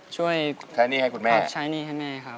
ใช้หนี้ให้คุณแม่ครับ